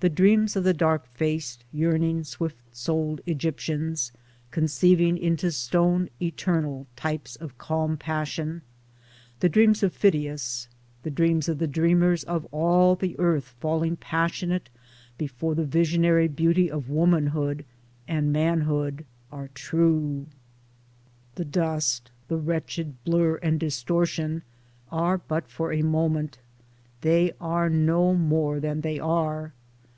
The dreams of the dark faced yearning swift souled Egyptians, conceiving into stone eternal types of calm passion, ihe dreams of Pheidias, the dreams of the dreamers of all the earth falling passionate before the visionary beauty of womanhood and manhood — Are true. The dust, the wretched blur and distortion are but for a moment. They are no more than they are.